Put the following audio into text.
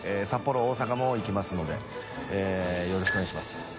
ニ大阪も行きますのでよろしくお願いします。